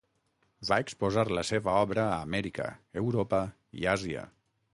Va exposar la seva obra a Amèrica, Europa i Àsia.